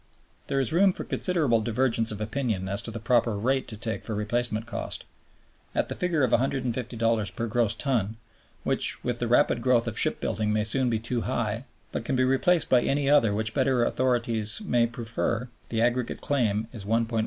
There is room for considerable divergence of opinion as to the proper rate to take for replacement cost; at the figure of $150 per gross ton, which with the rapid growth of shipbuilding may soon be too high but can be replaced by any other which better authorities may prefer, the aggregate claim is $1,150,000,000.